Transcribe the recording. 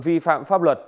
vi phạm pháp luật